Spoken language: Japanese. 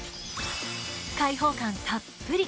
開放感たっぷり。